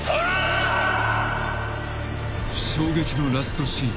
［衝撃のラストシーン］